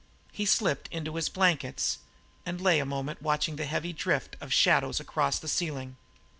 He slipped into his own bunk and lay a moment watching the heavy drift of shadows across the ceiling.